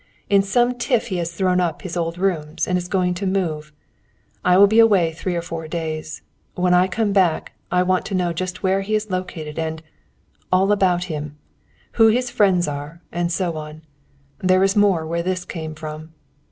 "In some tiff he has thrown up his old rooms, and is going to move. I will be away three or four days. When I come back, I want to know just where he is located, and all about him; who his friends are, and so on. There is more where this came from."